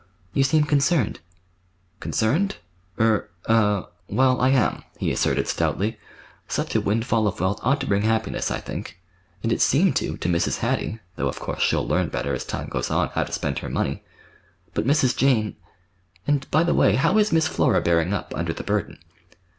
"You seem concerned." "Concerned? Er—ah—well, I am," he asserted stoutly. "Such a windfall of wealth ought to bring happiness, I think; and it seemed to, to Mrs. Hattie, though, of course, she'll learn better, as time goes on how to spend her money. But Mrs. Jane—And, by the way, how is Miss Flora bearing up—under the burden?"